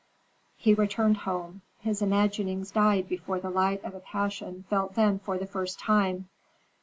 He returned home. His imaginings died before the light of a passion felt then for the first time.